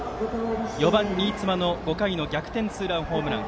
４番、新妻の５回の逆転ツーランホームラン。